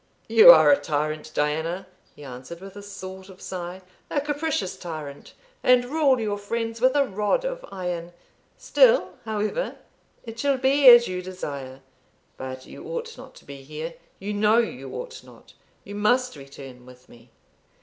"You are a tyrant, Diana," he answered, with a sort of sigh "a capricious tyrant, and rule your friends with a rod of iron. Still, however, it shall be as you desire. But you ought not to be here you know you ought not; you must return with me."